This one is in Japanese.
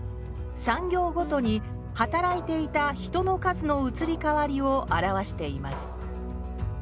産業ごとに働いていた人の数の移り変わりを表しています。